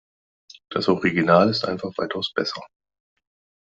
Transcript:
Das Original ist einfach weitaus besser.